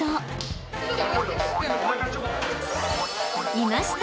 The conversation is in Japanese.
［いました。